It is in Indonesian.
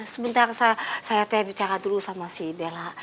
sebentar saya teh bicara dulu sama si bella